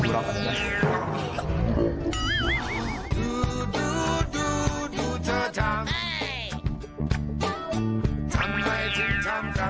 รอบกันดีกว่า